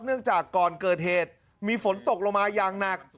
เนื่องจากก่อนเกิดเหตุมีฝนตกลงมาอย่างหนัก